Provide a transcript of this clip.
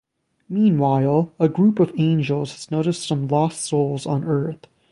Meanwhile, a group of angels has noticed some lost souls on Earth.